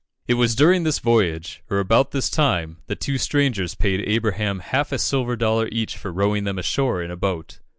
It was during this voyage, or about this time, that two strangers paid Abraham half a silver dollar each for rowing them ashore in a boat.